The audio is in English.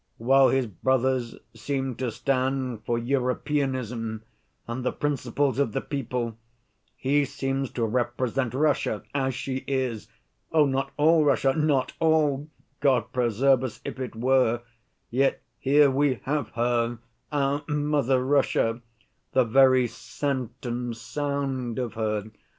While his brothers seem to stand for 'Europeanism' and 'the principles of the people,' he seems to represent Russia as she is. Oh, not all Russia, not all! God preserve us, if it were! Yet, here we have her, our mother Russia, the very scent and sound of her.